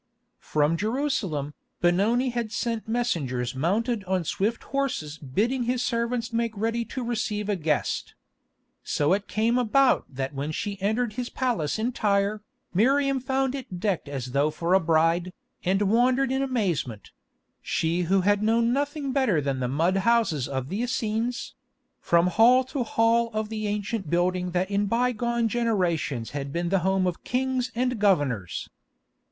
From Jerusalem, Benoni had sent messengers mounted on swift horses bidding his servants make ready to receive a guest. So it came about that when she entered his palace in Tyre, Miriam found it decked as though for a bride, and wandered in amazement—she who had known nothing better than the mud houses of the Essenes—from hall to hall of the ancient building that in bygone generations had been the home of kings and governors.